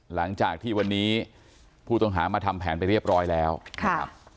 หลังจากที่วันนี้ผู้ต้องหามาทำแผนไปเรียบร้อยแล้วนะครับ